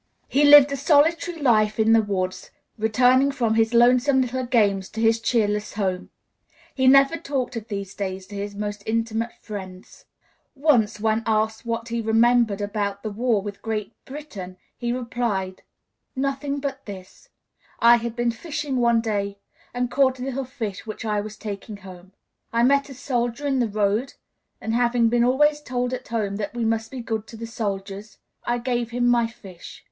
He lived a solitary life in the woods, returning from his lonesome little games to his cheerless home. He never talked of these days to his most intimate friends. [Transcriber's Note: Lengthy footnote (2) relocated to chapter end.] Once, when asked what he remembered about the war with Great Britain, he replied: "Nothing but this. I had been fishing one day and caught a little fish which I was taking home. I met a soldier in the road, and, having been always told at home that we must be good to the soldiers, I gave him my fish."